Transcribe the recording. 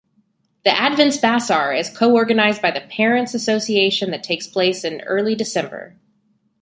The Adventsbasar is co-organised by the Parents' Association that takes place in early December.